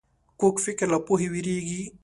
کوږ فکر له پوهې وېرېږي